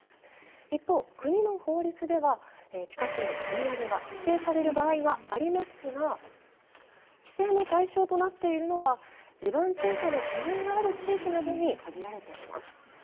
一方、国の法律では、地下水のくみ上げが規制される場合がありますが規制の対象となっているのは、地盤沈下の懸念がある地域などに限られています。